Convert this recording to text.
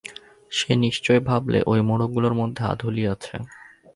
সে নিশ্চয় ভাবলে ঐ মোড়কগুলোর মধ্যে আধুলি আছে।